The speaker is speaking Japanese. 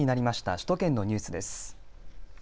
首都圏のニュースです。